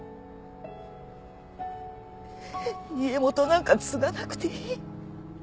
家元なんか継がなくていい。